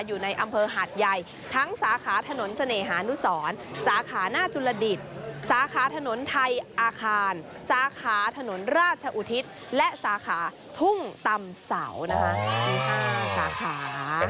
อยู่ในอำเภอหาดใหญ่ทั้งสาขาถนนเสน่หานุสรสาขาหน้าจุลดิตสาขาถนนไทยอาคารสาขาถนนราชอุทิศและสาขาทุ่งตำเสานะคะมี๕สาขา